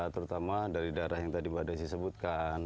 terutama dari daerah yang tadi mbak desi sebutkan